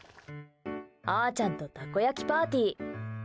あーちゃんとたこ焼きパーティー。